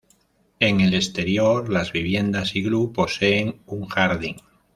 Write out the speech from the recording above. En el exterior las viviendas iglú posee un jardín.